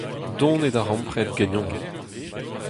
Dont e darempred ganeomp.